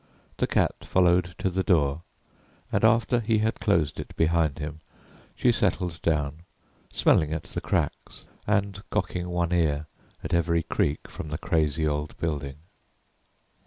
The cat followed to the door, and after he had closed it behind him, she settled down, smelling at the cracks, and cocking one ear at every creak from the crazy old building.